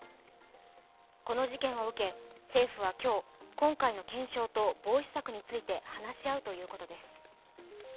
この事件を受け、政府は今日今回の検証と防止策について話し合うということです。